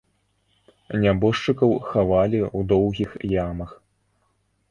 Нябожчыкаў хавалі ў доўгіх ямах.